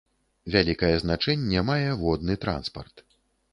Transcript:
Вялікае значэнне мае водны транспарт.